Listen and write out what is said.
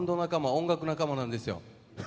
音楽仲間なんですよ。